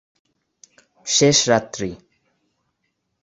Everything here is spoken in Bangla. শেষ রাত্রি-